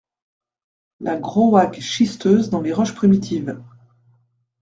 La grauwacke schisteuse dans les roches primitives !…